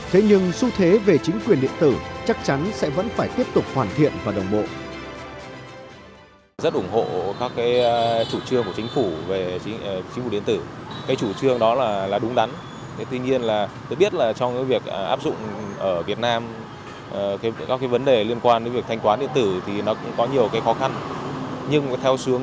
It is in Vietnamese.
thế nhưng xu thế về chính quyền điện tử chắc chắn sẽ vẫn phải tiếp tục hoàn thiện và đồng bộ